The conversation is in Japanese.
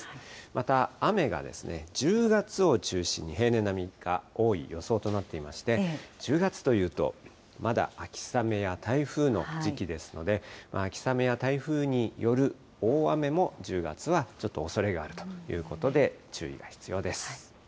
また雨が１０月を中心に平年並みか多い予想となっていまして、１０月というと、まだ秋雨や台風の時期ですので、秋雨や台風による大雨も１０月はちょっとおそれがあるということで、注意が必要です。